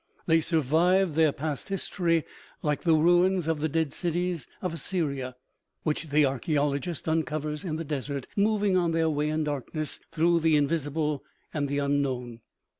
They survived their past history like the ruins of the dead cities of Assyria which the archaeologist uncovers in the desert, moving on their way in darkness through the invisible and the unknown.